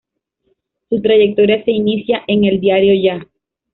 Su trayectoria se inicia en el "Diario Ya".